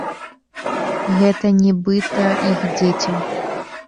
Гэта нібыта іх дзеці.